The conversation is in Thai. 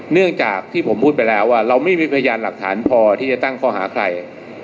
เนื่องจากที่ผมพูดไปแล้วว่าเราไม่มีพยานหลักฐานพอที่จะตั้งข้อหาใคร